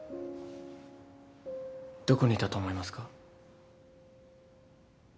どこにいたと思いますか？